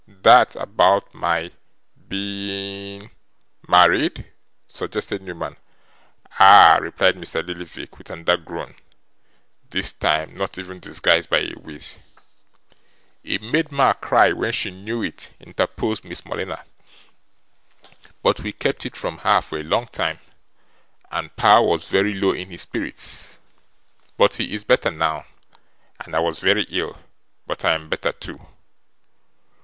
'That about my being ' 'Married?' suggested Newman. 'Ah!' replied Mr. Lillyvick, with another groan; this time not even disguised by a wheeze. 'It made ma cry when she knew it,' interposed Miss Morleena, 'but we kept it from her for a long time; and pa was very low in his spirits, but he is better now; and I was very ill, but I am better too.